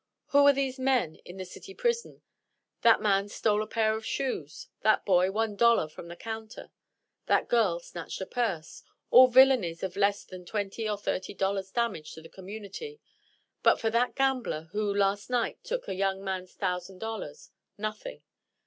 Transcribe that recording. Who are these men in the city prison? That man stole a pair of shoes; that boy, one dollar from the counter; that girl snatched a purse all villanies of less than twenty or thirty dollars' damage to the community; but for that gambler, who last night took that young man's thousand dollars nothing!